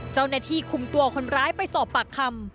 เจ้าหน้าที่คุมตัวคนร้ายไปสอบปากคำ